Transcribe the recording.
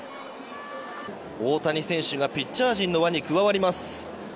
大谷選手がピッチャー陣の輪に加わります。